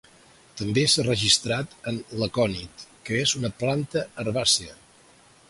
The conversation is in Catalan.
També s'ha registrat en l'acònit, que és una planta herbàcia.